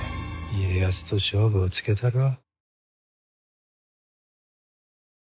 家康と勝負をつけたるわ。